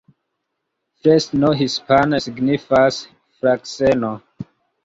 Fresno hispane signifas: frakseno.